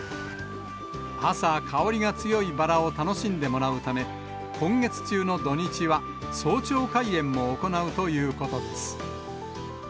朝、香りが強いバラを楽しんでもらうため、今月中の土日は、早朝開園も行うということです。